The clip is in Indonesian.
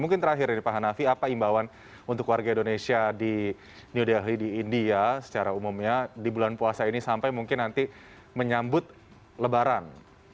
mungkin terakhir ini pak hanafi apa imbauan untuk warga indonesia di new delhi di india secara umumnya di bulan puasa ini sampai mungkin nanti menyambut lebaran